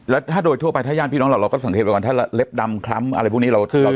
แล้วถ้าโดยทั่วไปถ้าย่านพี่น้องเราก็สังเกตก่อนถ้าเล็บดำคล้ำอะไรพวกนี้เราต้องขอให้ครับ